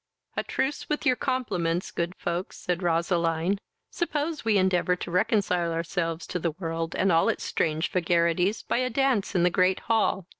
"A truce with your compliments, good folks, (said Roseline;) suppose we endeavour to reconcile ourselves to the world, and all its strange vagaries, by a dance in the great hall.